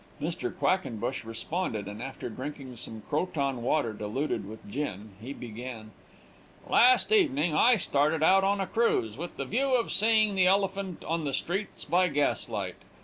Mr. Quackenbush responded, and after drinking some Croton water diluted with gin, he began: "Last evening I started out on a cruise, with the view of seeing the elephant on the streets by gas light.